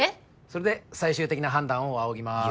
それで最終的な判断を仰ぎます。